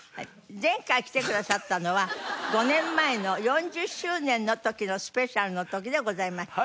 前回来てくださったのは５年前の４０周年の時のスペシャルの時でございました。